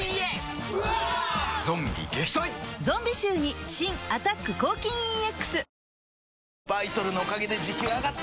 ゾンビ臭に新「アタック抗菌ＥＸ」